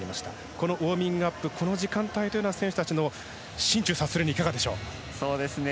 このウォーミングアップこの時間帯というのは選手たちの心中察するにいかがでしょう？